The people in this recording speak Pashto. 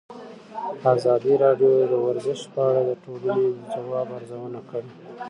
ازادي راډیو د ورزش په اړه د ټولنې د ځواب ارزونه کړې.